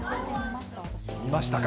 見ましたか。